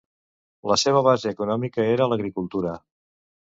La seva base econòmica era l'agricultura.